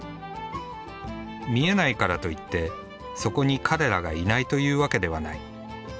見えないからといってそこに彼らがいないというわけではない。